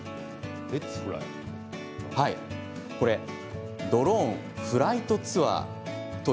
それがドローンフライトツアーです。